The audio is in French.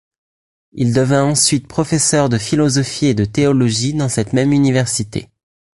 Il devint ensuite professeur de philosophie et de théologie dans cette même université.